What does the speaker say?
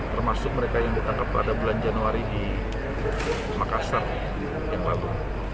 termasuk mereka yang ditangkap pada bulan januari di makassar yang lalu